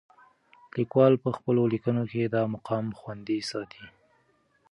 لیکوال په خپلو لیکنو کې دا مقام خوندي ساتلی.